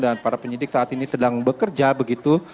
dan para penyidik saat ini sedang bekerja begitu